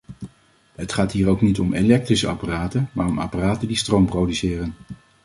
Het gaat hier ook niet om elektrische apparaten, maar om apparaten die stroom produceren.